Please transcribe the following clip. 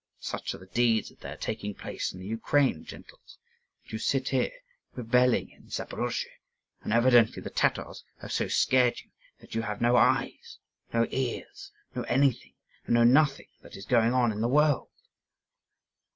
Such are the deeds that are taking place in the Ukraine, gentles! And you sit here revelling in Zaporozhe; and evidently the Tatars have so scared you that you have no eyes, no ears, no anything, and know nothing that is going on in the world."